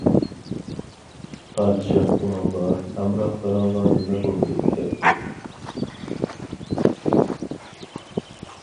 پادىشاھ ئۇنىڭغا: ‹ھەمراھلىرىڭغا نېمە بولدى؟ ›، دەپتۇ.